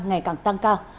ngày càng tăng cao